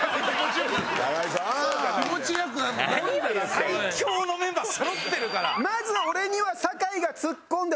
最強のメンバーそろってるから。